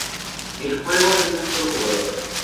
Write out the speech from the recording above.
El juego es de un sólo jugador.